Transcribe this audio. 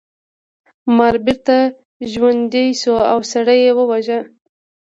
مار بیرته ژوندی شو او سړی یې وواژه.